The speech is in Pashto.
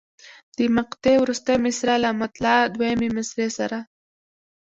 د مقطع وروستۍ مصرع له مطلع دویمې مصرع سره.